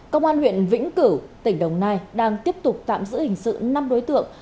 công an huyện vĩnh cửu tỉnh đồng nai đang tiếp tục tạm giữ hình sự năm đối tượng